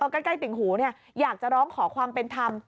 ใกล้ติ่งหูอยากจะร้องขอความเป็นธรรม